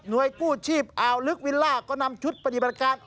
โดยกู้ชีพอ่าวลึกวิลล่าก็นำชุดปฏิบัติการ